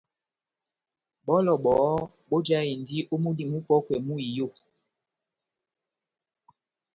Bɔlɔ bɔhɔ́ bojahindi ó múdi múpɔkwɛ mú iyó.